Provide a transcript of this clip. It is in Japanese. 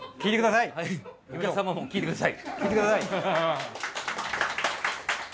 お客様も聴いてください。